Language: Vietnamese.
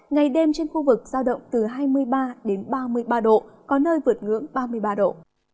ngày đêm trên khu vực giao động từ hai mươi ba đến ba mươi ba độ có nơi vượt ngưỡng ba mươi ba độ